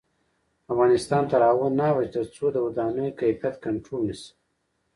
افغانستان تر هغو نه ابادیږي، ترڅو د ودانیو کیفیت کنټرول نشي.